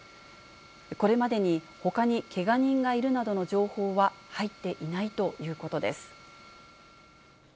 これまでにほかにけが人がいるなどの情報は入っていないということです。